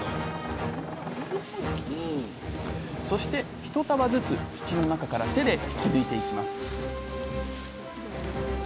そして一束ずつ土の中から手で引き抜いていきます